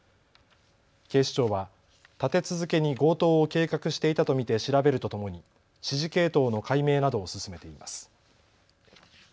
警視庁は立て続けに強盗を計画していたと見て調べるとともに指示系統の解明などを進めています。